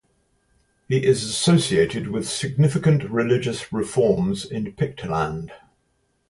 He is associated with significant religious reforms in Pictland.